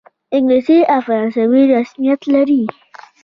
انګلیسي او فرانسوي رسمیت لري.